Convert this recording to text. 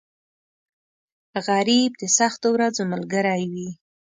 غریب د سختو ورځو ملګری وي